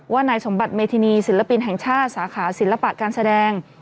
นายสมบัติเมธินีศิลปินแห่งชาติสาขาศิลปะการแสดง